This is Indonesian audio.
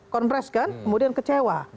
konfreskan kemudian kecewa